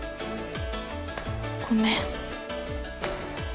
ごめん